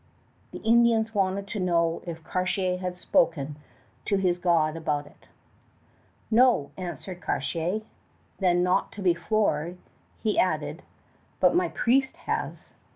The Indians wanted to know if Cartier had spoken to his God about it. "No," answered Cartier. Then, not to be floored, he added, "but my priest has."